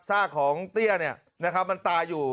ซากของเตี้ยมันตายอยู่